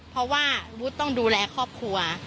เพราะว่าวุฒิต้องดูแลครอบครัว